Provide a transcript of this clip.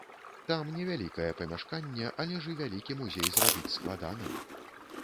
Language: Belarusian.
Там невялікае памяшканне, але ж і вялікі музей зрабіць складана.